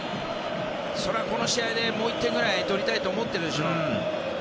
そりゃ、この試合でもう１点くらい取りたいと思ってるでしょ。